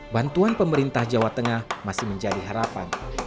bantuan pemerintah jawa tengah masih menjadi harapan